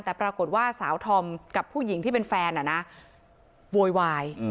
แต่ปรากฏว่าสาวธอมกับผู้หญิงที่เป็นแฟนโวยวาย